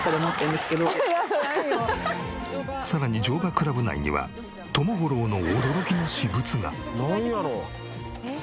さらに乗馬クラブ内にはともゴロウの驚きの私物が。